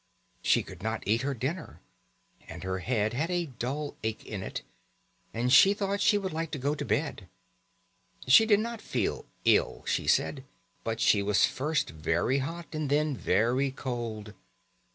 She could not eat her dinner, and her head had a dull ache in it, and she thought she would like to go to bed. She did not feel ill, she said, but she was first very hot and then very cold.